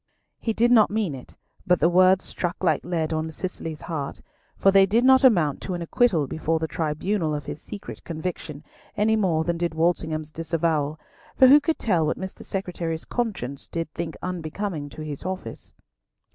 He did not mean it, but the words struck like lead on Cicely's heart, for they did not amount to an acquittal before the tribunal of his secret conviction, any more than did Walsingham's disavowal, for who could tell what Mr. Secretary's conscience did think unbecoming to his office?